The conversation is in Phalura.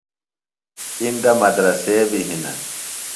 اندہ مدرسے بیۡ ہِنہ۔